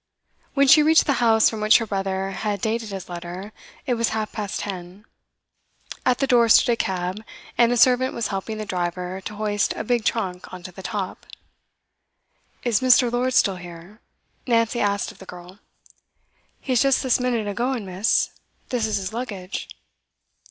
When she reached the house from which her brother had dated his letter, it was half past ten. At the door stood a cab, and a servant was helping the driver to hoist a big trunk on to the top. 'Is Mr. Lord still here?' Nancy asked of the girl. 'He's just this minute a goin', miss. This is his luggage.